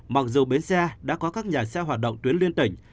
mặc dù bến xe đã có các nhà xe hoạt động tuyến liên tỉnh